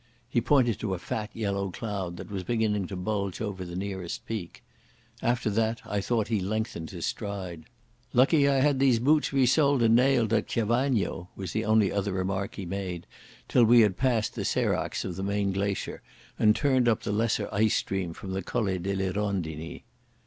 He pointed to a fat yellow cloud that was beginning to bulge over the nearest peak. After that I thought he lengthened his stride. "Lucky I had these boots resoled and nailed at Chiavagno," was the only other remark he made till we had passed the seracs of the main glacier and turned up the lesser ice stream from the Colle delle Rondini.